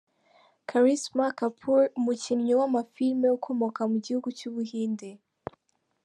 Karisma Kapoor, umukinnyi w’amafilimi ukomoka mu gihugu cy’u Buhinde.